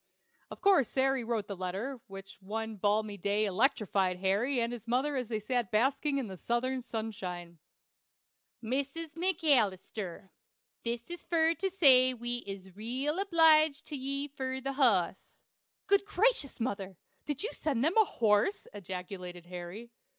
Of course Sary wrote the letter, which one balmy day electrified Harry and his mother as they sat basking in Southern sunshine: "MIS MACALLISTUR: This is fur to say wee is reel obliged to ye fur the HOSS." "Good gracious, mother! Did you send them a horse?" ejaculated Harry.